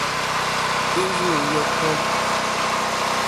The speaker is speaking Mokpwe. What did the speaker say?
Ìrzù yɔ̀kɔ́.